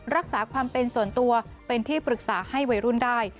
รักษาความเป็นส่วนตัวเป็นที่ปรึกษาให้วัยรุ่นได้